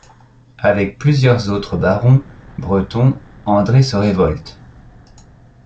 Avec plusieurs autres barons bretons, André se révolte.